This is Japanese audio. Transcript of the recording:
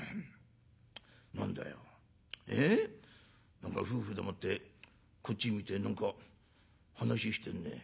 何か夫婦でもってこっち見て何か話してるね。